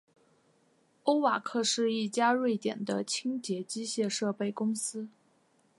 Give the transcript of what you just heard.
欧瓦克是一家瑞典的清洁机械设备公司。